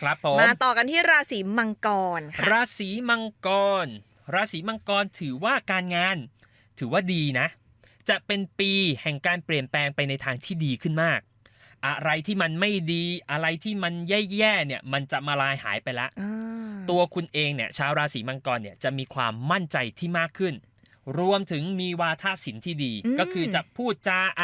ครับผมมาต่อกันที่ราศีมังกรค่ะราศีมังกรราศีมังกรถือว่าการงานถือว่าดีนะจะเป็นปีแห่งการเปลี่ยนแปลงไปในทางที่ดีขึ้นมากอะไรที่มันไม่ดีอะไรที่มันแย่เนี่ยมันจะมาลายหายไปแล้วตัวคุณเองเนี่ยชาวราศีมังกรเนี่ยจะมีความมั่นใจที่มากขึ้นรวมถึงมีวาทะสินที่ดีก็คือจะพูดจา